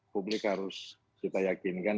publik harus kita yakinkan